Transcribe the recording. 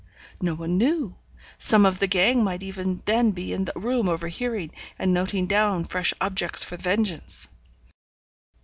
No one knew, some of the gang might even then be in the room overhearing, and noting down fresh objects for vengeance.